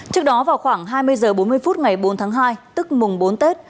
trước đó vào khoảng hai mươi h bốn mươi phút ngày bốn tháng hai tức mùng bốn tết